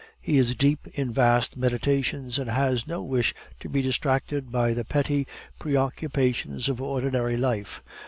He is deep in vast meditations, and has no wish to be distracted by the petty preoccupations of ordinary life.